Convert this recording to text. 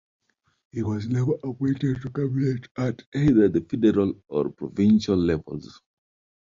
He was never appointed to cabinet at either the federal or provincial levels.